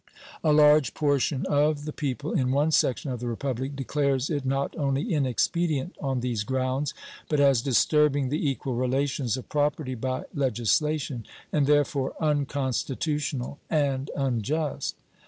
A large portion of the people in one section of the Republic declares it not only inexpedient on these grounds, but as disturbing the equal relations of property by legislation, and therefore unconstitutional and unjust.